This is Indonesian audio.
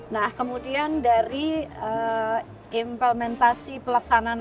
nah kemudian dari implementasi pelaksanaan